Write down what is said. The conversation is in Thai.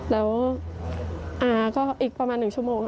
แล้วอาก็อีกประมาณ๑ชั่วโมง